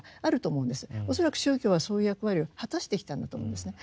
恐らく宗教はそういう役割を果たしてきたんだと思うんですね。